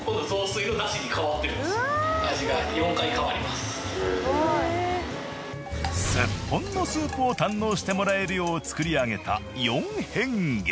すっぽんのスープを堪能してもらえるよう作り上げた４変化。